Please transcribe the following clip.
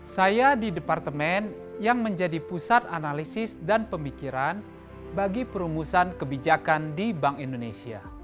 saya di departemen yang menjadi pusat analisis dan pemikiran bagi perumusan kebijakan di bank indonesia